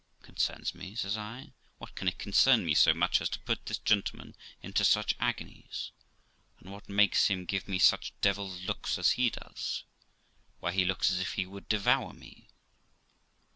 ' Concerns me !' says I. ' What can it concern me so much as to put this gentleman into such agonies, and what makes him give me such devil's looks as he does ? Why, he looks as if he would devour me.'